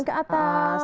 oke angkat tangan ke atas